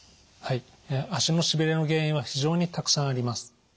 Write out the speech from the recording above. はい足のしびれの原因は非常にたくさんあります。